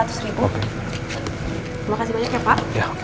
terima kasih banyak ya pak